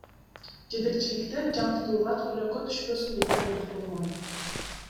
Жетекчиликтен жаңыртууга көлөкө түшпөсүн деген буйрук болгон.